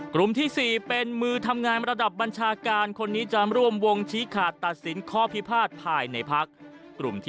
กลุ่มที่๔เป็นมือทำงานระดับบัญชาการคนนี้จะร่วมวงชี้ขาดตัดสินข้อพิพาทภายในพัก